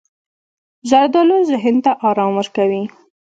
زردالو ذهن ته ارام ورکوي.